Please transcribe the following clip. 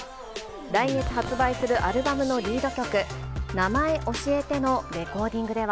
来月発売するアルバムのリード曲、ナマエオシエテのレコーディングでは。